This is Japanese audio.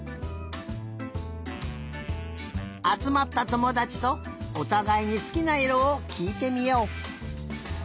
あつまったともだちとおたがいにすきないろをきいてみよう！